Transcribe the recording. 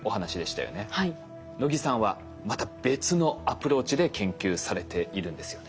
能木さんはまた別のアプローチで研究されているんですよね。